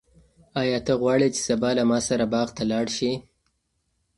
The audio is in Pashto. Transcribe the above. آیا ته غواړې چې سبا له ما سره باغ ته لاړ شې؟